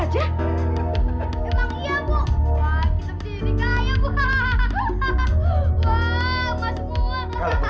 terima kasih ya jura gani